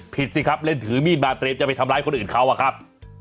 สิครับเล่นถือมีดมาเตรียมจะไปทำร้ายคนอื่นเขาอะครับ